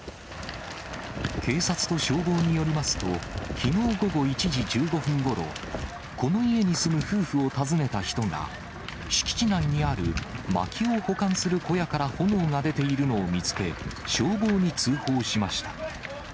警察と消防によりますと、きのう午後１時１５分ごろ、この家に住む夫婦を訪ねた人が、敷地内にあるまきを保管する小屋から炎が出ているのを見つけ、消防に通報しました。